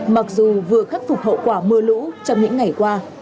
mặc dù vừa khắc phục hậu quả mưa lũ trong những ngày qua